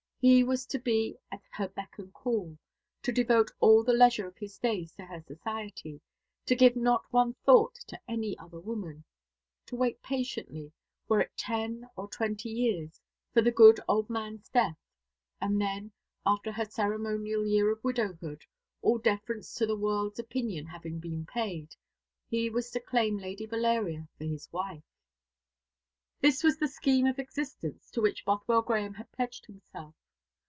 He was to be at her beck and call to devote all the leisure of his days to her society to give not one thought to any other woman to wait patiently, were it ten or twenty years, for the good old man's death: and then, after her ceremonial year of widowhood, all deference to the world's opinion having been paid, he was to claim Lady Valeria for his wife. This was the scheme of existence to which Bothwell Grahame had pledged himself.